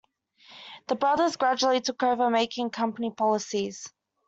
The brothers gradually took over making company policies.